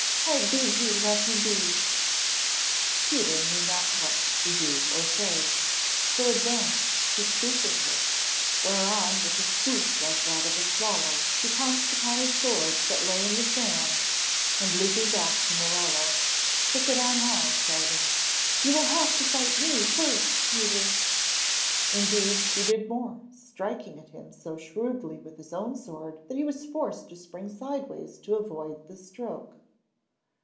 I bid you let him be." Peter knew not what to do or say, so advanced to speak with her, whereon with a swoop like that of a swallow she pounced upon his sword that lay in the sand and, leaping back to Morella, shook it on high, shouting: "You will have to fight me first, Peter." "You will have to fight me first, Peter" Indeed, she did more, striking at him so shrewdly with his own sword that he was forced to spring sideways to avoid the stroke.